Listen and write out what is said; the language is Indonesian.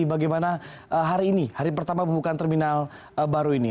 bagaimana hari ini hari pertama pembukaan terminal baru ini